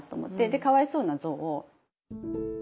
で「かわいそうなぞう」を。